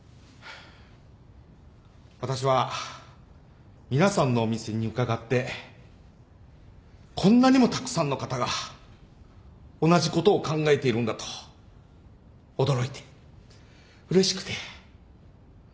私は皆さんのお店に伺ってこんなにもたくさんの方が同じことを考えているんだと驚いてうれしくて。